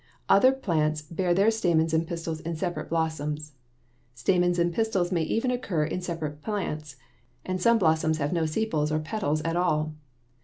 Other plants bear their stamens and pistils in separate blossoms. Stamens and pistils may even occur in separate plants, and some blossoms have no sepals or petals at all.